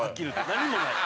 何もない。